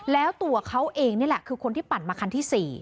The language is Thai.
แล้วตัวเขาเองนี่แหละคือคนที่ปั่นมาคันที่๔